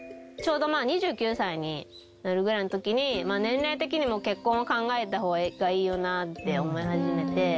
ちょうど２９歳になるぐらいの時に年齢的にも結婚を考えた方がいいよなって思い始めて。